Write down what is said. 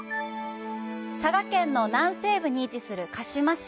佐賀県の南西部に位置する鹿島市。